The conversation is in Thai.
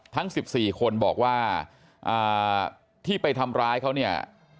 ทั้ง๑๔คนบอกว่าที่ไปทำร้ายเขาเนี่ย